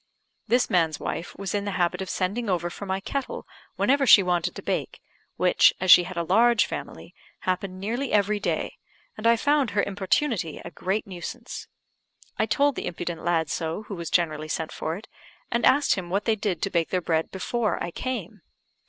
This man's wife was in the habit of sending over for my kettle whenever she wanted to bake, which, as she had a large family, happened nearly every day, and I found her importunity a great nuisance. I told the impudent lad so, who was generally sent for it; and asked him what they did to bake their bread before I came.